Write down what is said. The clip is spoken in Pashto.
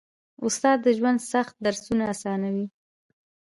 استاد د ژوند سخت درسونه اسانوي.